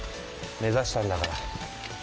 目指したんだから。